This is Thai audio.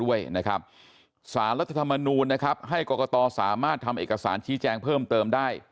ด้วยนะครับสารรัฐธรรมนูลนะครับให้กรกตสามารถทำเอกสารชี้แจงเพิ่มเติมได้